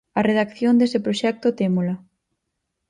A redacción dese proxecto témola.